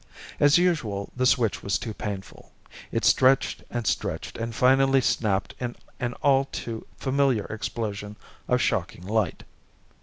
As usual the switch was too painful. It stretched and stretched and finally snapped in an all too familiar explosion of shocking light.